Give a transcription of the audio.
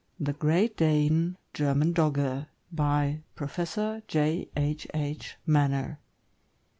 THE GREAT DANE (GERMAN DOGGE). BY PROFESSOR J. H. H. MAENNER.